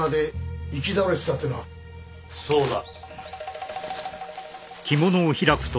そうだ。